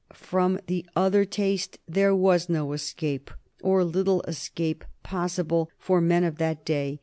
From the other taste there was no escape, or little escape, possible for the men of that day.